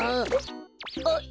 あっ。